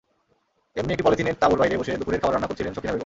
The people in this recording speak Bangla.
এমনি একটি পলিথিনের তাঁবুর বাইরে বসে দুপুরের খাবার রান্না করছিলেন সখিনা বেগম।